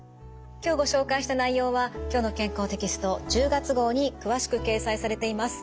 今日ご紹介した内容は「きょうの健康」テキスト１０月号に詳しく掲載されています。